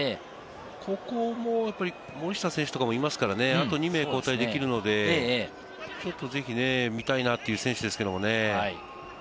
ここも森下選手とかもいますから、あと２名交代できるのでぜひ見たいなという選手ですけれどもね。